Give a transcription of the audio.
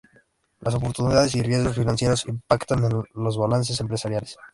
Las oportunidades y riesgos financieros impactan en los balances empresariales.